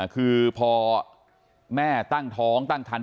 คือพอแม่ตั้งท้องตั้งคัน